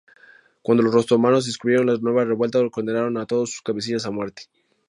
Cuando los otomanos descubrieron la nueva revuelta condenaron a todos sus cabecillas a muerte.